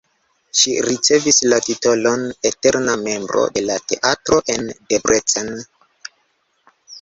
Ŝi ricevis la titolon eterna membro de la teatro en Debrecen.